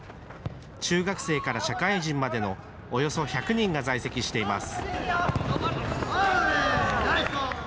中学生から社会人までのおよそ１００人が在籍しています。